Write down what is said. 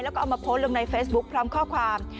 แล้วก็เอามาโพสต์ลงในเฟซบุ๊คพร้อมข้อความ